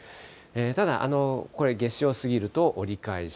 ただ、これ、夏至を過ぎると折り返し。